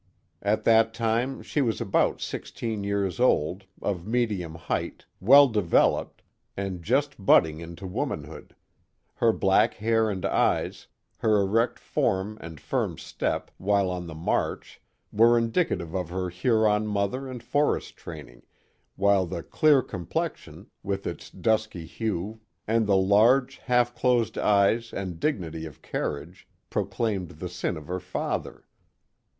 At that time she was about sixteen years old, of medium hei<^ht, well developed, and just budding into womanhood ; her black hair and eyes, her erect form and firm stej), while on the march, were indicative of her Huron mother and forest training, while the clear complexion, with its dusky hue, and the large, half closed eyes and dignity of carriage, proclaimed the sin of her father.